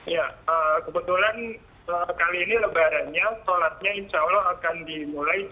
ya kebetulan kali ini lebarannya sholatnya insya allah akan dimulai jam tiga pagi